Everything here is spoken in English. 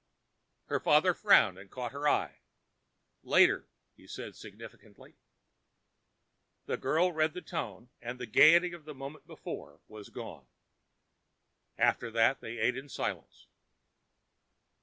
Her father frowned and caught her eye. "Later," he said significantly. The girl read the tone, and the gaiety of the moment before was gone. After that they ate in silence.